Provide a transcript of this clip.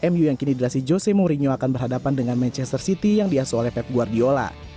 mu yang kini dilasi jose mourinho akan berhadapan dengan manchester city yang diasuh oleh pep guardiola